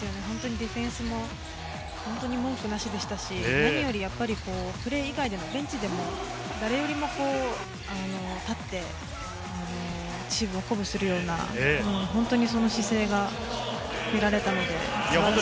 ディフェンスも文句なしでしたし、何よりもプレー以外でのベンチでも誰よりも立ってチームを鼓舞するような、その姿勢が見られたので。